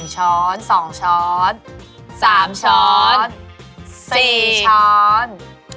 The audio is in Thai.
ช้อน๒ช้อน๓ช้อน๔ช้อน